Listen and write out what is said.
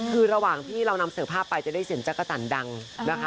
คือระหว่างที่เรานำเสนอภาพไปจะได้เสียงจักรจันทร์ดังนะคะ